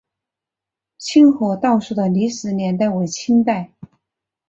清河道署的历史年代为清代。